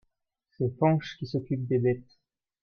C'est Fañch qui s'occupe des bêtes.